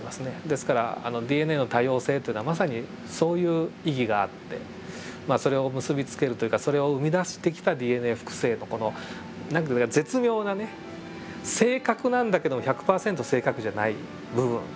ですからＤＮＡの多様性っていうのはまさにそういう意義があってまあそれを結び付けるというかそれを生み出してきたＤＮＡ複製の何か絶妙なね正確なんだけど１００％正確じゃない部分。